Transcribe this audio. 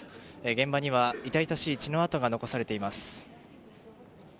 現場には痛々しい血の痕が残されています。